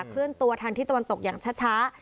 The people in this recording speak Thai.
เคลื่อนตัวทางที่ตะวันตกอย่างช้า